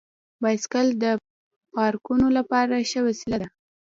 بایسکل د پارکونو لپاره ښه وسیله ده.